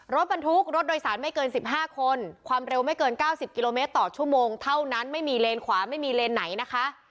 รถบรรทุกรถโดยสารไม่เกิน๑๕คนความเร็วไม่เกิน๙๐กิโลเมตรต่อชั่วโมงเท่านั้นไม่มีเลนขวาไม่มีเลนไหนนะคะ